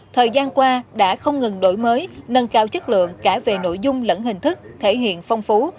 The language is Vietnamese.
thời gian qua đã không ngừng đổi mới nâng cao chất lượng cả về nội dung lẫn hình thức thể hiện phong phú